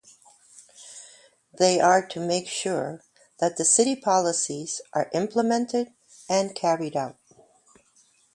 They are to make sure that city policies are implemented and carried out.